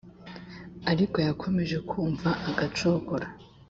ariko yakomeje kumva agacogora